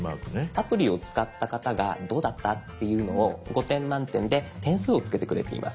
アプリ使った方がどうだったっていうのを５点満点で点数をつけてくれています。